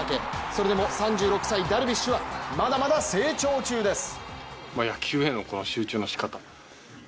それでも３６歳、ダルビッシュはまだまだ成長中です。